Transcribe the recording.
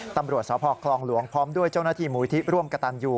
ตำรวจสพคลองหลวงพร้อมด้วยเจ้าหน้าที่มูลที่ร่วมกระตันยู